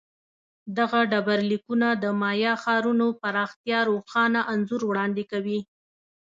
دغه ډبرلیکونه د مایا ښارونو پراختیا روښانه انځور وړاندې کوي